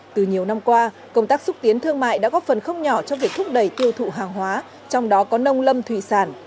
từ nhiều năm qua công tác xúc tiến thương mại đã góp phần không nhỏ trong việc thúc đẩy tiêu thụ hàng hóa trong đó có nông lâm thủy sản